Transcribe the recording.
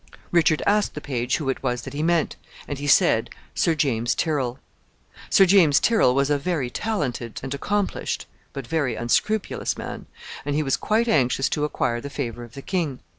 Richard asked the page who it was that he meant, and he said Sir James Tyrrel. Sir James Tyrrel was a very talented and accomplished, but very unscrupulous man, and he was quite anxious to acquire the favor of the king.